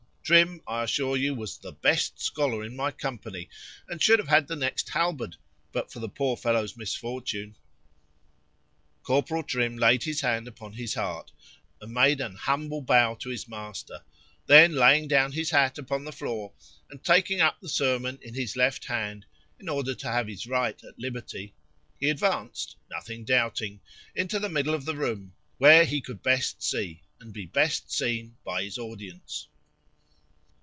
——Trim, I assure you, was the best scholar in my company, and should have had the next halberd, but for the poor fellow's misfortune. Corporal Trim laid his hand upon his heart, and made an humble bow to his master; then laying down his hat upon the floor, and taking up the sermon in his left hand, in order to have his right at liberty,—he advanced, nothing doubting, into the middle of the room, where he could best see, and be best seen by his audience.